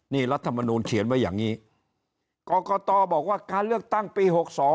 นี่รัฐมนูลเขียนไว้อย่างนี้กรกตบอกว่าการเลือกตั้งปี๖๒